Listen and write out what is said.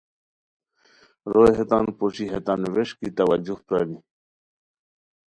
روئے ہیتان پوشی ہیتان ووݰکیتوجہ پرانی